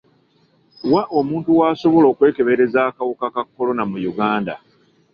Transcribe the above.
Wa omuntu w'asobola okwekebereza akawuka ka kolona mu Uganda?